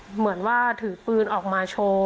เหมือนว่าถือปืนออกมาโชว์